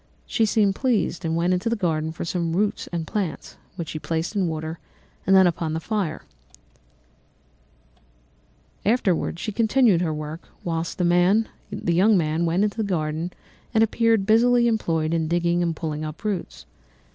She seemed pleased and went into the garden for some roots and plants, which she placed in water, and then upon the fire. She afterwards continued her work, whilst the young man went into the garden and appeared busily employed in digging and pulling up roots.